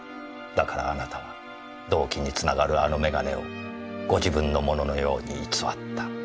だからあなたは動機につながるあの眼鏡をご自分のもののように偽った。